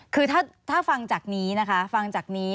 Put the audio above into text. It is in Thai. คือถ้าฟังจากนี้นะคะฟังจากนี้